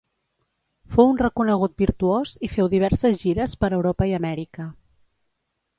Fou un reconegut virtuós i féu diverses gires per Europa i Amèrica.